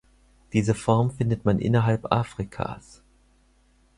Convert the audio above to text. Diese Form findet man innerhalb Afrikas.